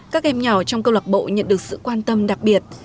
các em nhỏ trong câu lạc bộ nhận được sự quan tâm đặc biệt